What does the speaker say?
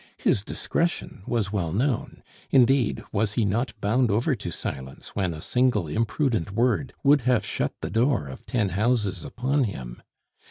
His discretion was well known; indeed, was he not bound over to silence when a single imprudent word would have shut the door of ten houses upon him?